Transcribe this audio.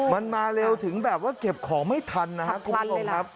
มันมาเร็วถึงแบบว่าเก็บของไม่ทันนะครับ